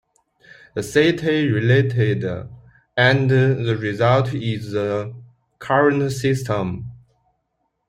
The city relented and the result is the current system.